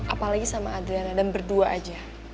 apalagi sama adriana dan berdua aja